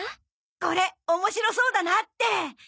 これ面白そうだなって。